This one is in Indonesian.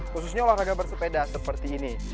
khususnya olahraga bersepeda seperti ini